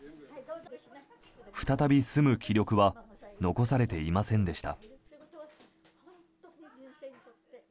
再び住む気力は残されていませんでした。